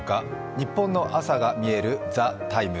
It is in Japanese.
ニッポンの朝がみえる「ＴＨＥＴＩＭＥ，」